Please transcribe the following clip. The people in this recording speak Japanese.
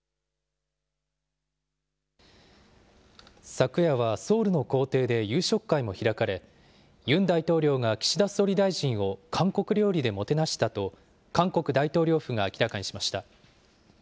昨夜はソウルの公邸で夕食会も開かれ、ユン大統領が岸田総理大臣を韓国料理でもてなしたと、韓国大統領府が明らかにしました。